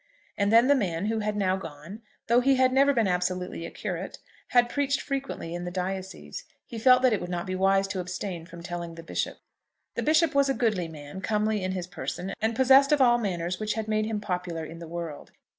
And then the man, who had now gone, though he had never been absolutely a curate, had preached frequently in the diocese. He felt that it would not be wise to abstain from telling the bishop. The bishop was a goodly man, comely in his person, and possessed of manners which had made him popular in the world.